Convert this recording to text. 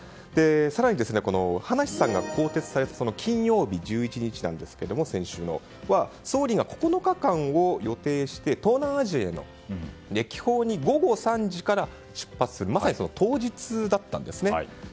更に、葉梨さんが更迭された１１日、先週金曜日なんですが総理が９日間を予定して東南アジアへの歴訪に午後３時から出発するまさにその当日だったんですね。